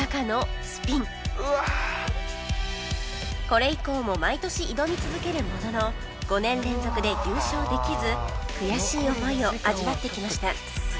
これ以降も毎年挑み続けるものの５年連続で優勝できす悔しい思いを味わってきました